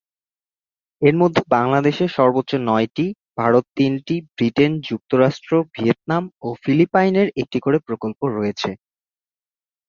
এর মধ্যে বাংলাদেশের সর্বোচ্চ নয়টি, ভারত তিনটি, ব্রিটেন, যুক্তরাষ্ট্র, ভিয়েতনাম ও ফিলিপাইনের একটি করে প্রকল্প রয়েছে।